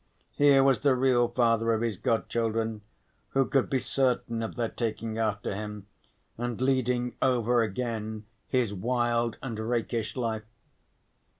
Here was the real father of his godchildren, who could be certain of their taking after him, and leading over again his wild and rakish life.